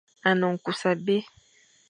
A ne nkus abé.